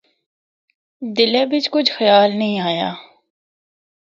دلے بچ کجھ خیال نینھ ایہا۔